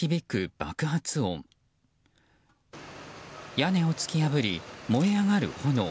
屋根を突き破り、燃え上がる炎。